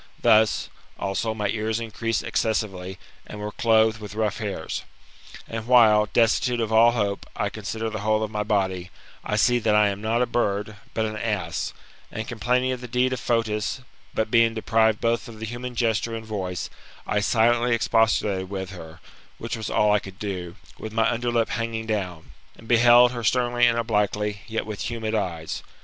Thus, also, my ears increase excessively, and were clothed with rough hairs. And while, destitute of all hope, I consider the whole of my body, I see that I am not a bird, but an ass ; and, complaining of the deed of Fotis, but, being deprived both of the human gesture and voice, I silently expostulated with her (which was all I could do), with my under lip hanging down, and beheld her sternly and obliquely, yet with humid eyes.